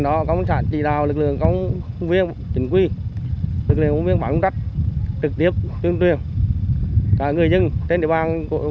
xong xong bên cạnh đó thì lực lượng công tr blindness thường thường phối hợp lực lượng biên phòng trong đại địa bàng